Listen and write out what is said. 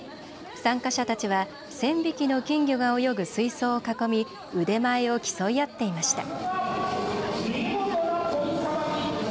参加者たちは１０００匹の金魚が泳ぐ水槽を囲み腕前を競い合っていました。